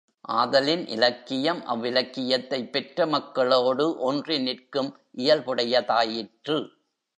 ஆதலின், இலக்கியம், அவ்விலக்கியத்தைப் பெற்ற மக்களோடு ஒன்றி நிற்கும் இயல்புடையதாயிற்று.